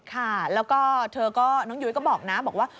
ค่ะแล้วก็เธอก็น้องยุ้ยก็บอกนะบอกว่า